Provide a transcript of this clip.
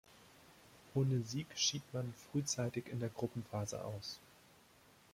Ohne Sieg schied man frühzeitig in der Gruppenphase aus.